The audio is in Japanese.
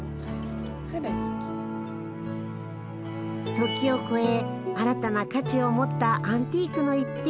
時を超え新たな価値を持ったアンティークの逸品。